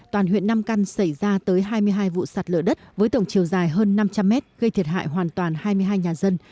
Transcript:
toàn huyện nam căn xảy ra tới hai mươi hai vụ sạt lở đất với tổng chiều dài hơn năm trăm linh mét gây thiệt hại hoàn toàn hai mươi hai nhà dân